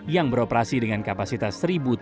yang beroperasi dengan kapasitas satu tiga ratus tujuh puluh